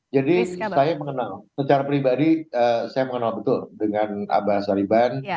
jadi saya mengenal secara pribadi saya mengenal betul dengan abah sariban